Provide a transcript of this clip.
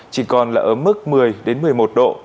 chỉ còn là ở mức một mươi một mươi một độ